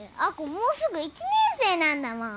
もうすぐ１年生なんだもん。